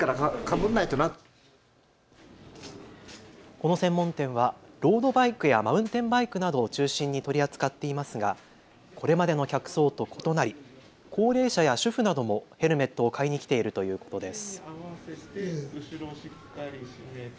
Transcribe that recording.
この専門店はロードバイクやマウンテンバイクなどを中心に取り扱っていますがこれまでの客層と異なり高齢者や主婦などもヘルメットを買いに来ているということです。